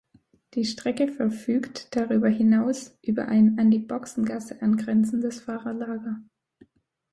Die Strecke verfügt darüber hinaus über ein an die Boxengasse angrenzendes Fahrerlager.